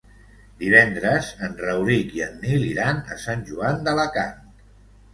Divendres en Rauric i en Nil iran a Sant Joan d'Alacant.